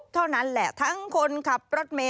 ทั้งคนขับรถเมย์